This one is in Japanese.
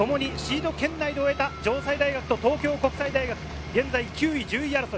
ともにシード圏内で終えた城西大学と東京国際大学、現在９位、１０位争い。